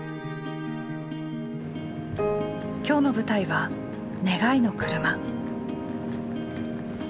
今日の舞台は「願いのくるま」。